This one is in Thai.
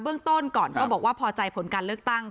ต้นก่อนก็บอกว่าพอใจผลการเลือกตั้ง